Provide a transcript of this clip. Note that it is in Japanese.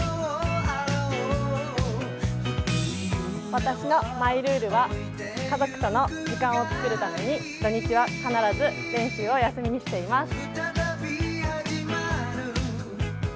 私のマイルールは家族との時間を作るために土日は必ず練習を休みにしています。